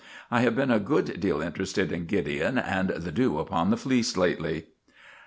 I have been a good deal interested in Gideon and the dew upon the fleece lately."